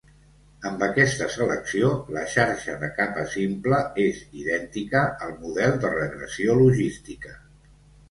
Amb aquesta selecció, la xarxa de capa simple és idèntica al model de regressió logística.